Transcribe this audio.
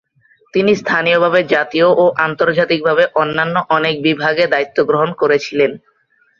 তিনি স্থানীয়ভাবে, জাতীয় ও আন্তর্জাতিকভাবে অন্যান্য অনেক বিভাগে দায়িত্ব গ্রহণ করেছিলেন।